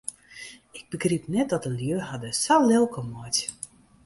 Ik begryp net dat de lju har dêr sa lilk om meitsje.